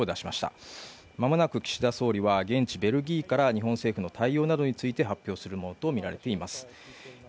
まもなく岸田総理は現地ベルギーから日本政府の対応について発表するものとみられています。